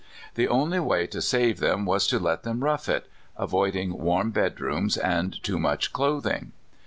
The only way to save them was to let them rough it, avoiding warm bedrooms and too much clothing.